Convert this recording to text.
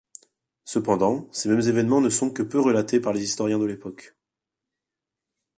Cependant, ces mêmes évènements ne sont que peu relatés par les historiens de l'époque.